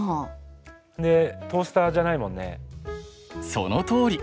そのとおり！